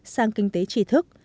sang kinh tế trí thức